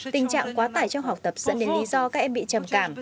tình trạng quá tải trong học tập dẫn đến lý do các em bị trầm cảm